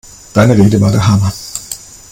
Deine Rede war der Hammer!